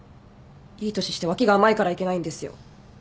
いい年して脇が甘いからいけないんですよ。